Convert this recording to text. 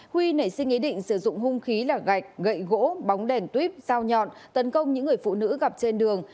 huy nảy sinh ý định sử dụng hung khí là gạch gậy gỗ bóng đèn tuyếp dao nhọn tấn công những người phụ nữ gặp trên đường